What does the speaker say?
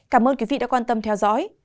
cảm ơn quý vị đã quan tâm theo dõi